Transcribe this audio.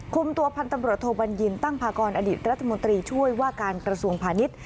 คุมตัวพันธ์ตำรวจโทบัญญินตั้งพากรอดิษฐรัฐมนตรีช่วยว่าการกระทรวงพาณิชย์